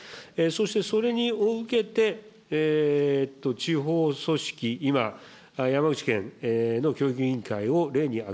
そしてそれを受けて、地方組織、今、山口県の教育委員会を例に挙